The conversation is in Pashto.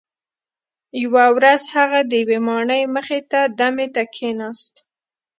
یوه ورځ هغه د یوې ماڼۍ مخې ته دمې ته کښیناست.